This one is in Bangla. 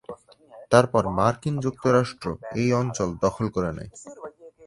তারপর মার্কিন যুক্তরাষ্ট্র এই অঞ্চল দখল করে নেয়।